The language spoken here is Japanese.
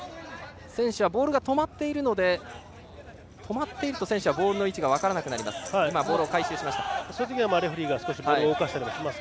選手はボールが止まっていると選手はボールの位置が分からなくなります。